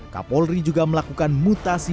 kapolri juga melakukan mutasi